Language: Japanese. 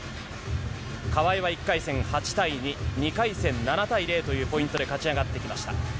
川井は１回戦８対２、２回戦７対０というポイントで勝ち上がってきました。